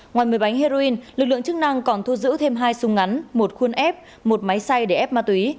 ngoài một mươi bánh heroin lực lượng chức năng còn thu giữ thêm hai sung ngắn một khuôn ép một máy xay để ép ma túy